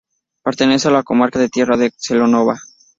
Pertenece a la comarca de Tierra de Celanova.